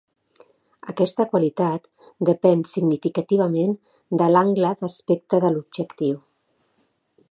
Aquesta qualitat depèn significativament de l'angle d'aspecte de l'objectiu.